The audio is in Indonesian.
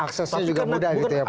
aksesnya juga mudah gitu ya pak